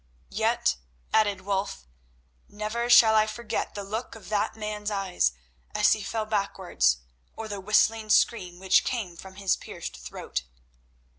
"Yet," added Wulf, "never shall I forget the look of that man's eyes as he fell backwards, or the whistling scream which came from his pierced throat."